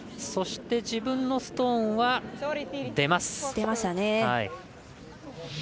そして、自分のストーンは出ます。